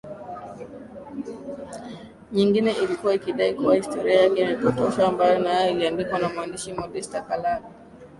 nyingine ilikuwa ikidai kuwa historia yake imepotoshwa ambayo nayo iliandikwa na mwandishi Modester Kallaghe